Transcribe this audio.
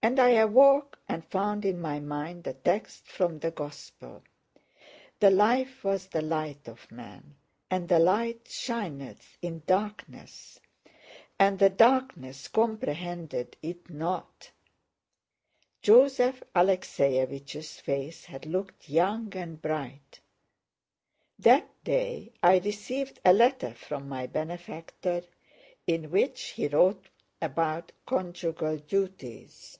And I awoke and found in my mind the text from the Gospel: "The life was the light of men. And the light shineth in darkness; and the darkness comprehended it not." Joseph Alexéevich's face had looked young and bright. That day I received a letter from my benefactor in which he wrote about "conjugal duties."